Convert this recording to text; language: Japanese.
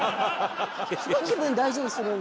すごい気分大事にするんだ。